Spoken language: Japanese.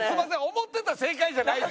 思ってた正解じゃないです。